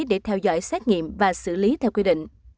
để theo dõi xét nghiệm và xử lý theo quy định